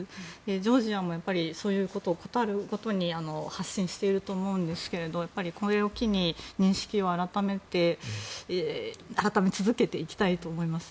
ジョージアもそういうことをことあるごとに発信していると思うんですけれどこれを機に、認識を改め続けていきたいと思います。